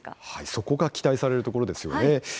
そこが期待されるところですよね。